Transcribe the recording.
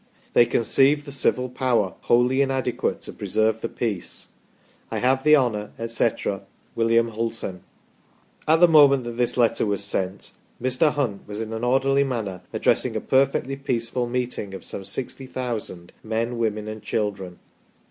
They conceive the civil power wholly inadequate to preserve the peace. I have the honour, etc., William Hulton." At the moment that this letter was sent, Mr. Hunt was, in an orderly manner, addressing a perfectly peaceful meeting of some 60,000 men, women, and children.